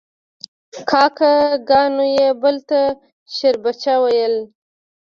کاکه ګانو یو بل ته شیربچه ویل.